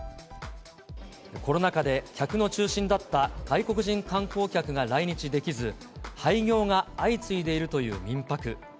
コロナ禍で客の中心だった外国人観光客が来日できず、廃業が相次いでいるという民泊。